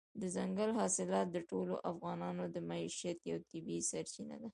دځنګل حاصلات د ټولو افغانانو د معیشت یوه طبیعي سرچینه ده.